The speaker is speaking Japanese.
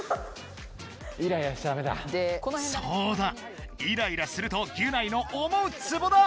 そうだイライラするとギュナイの思うつぼだ！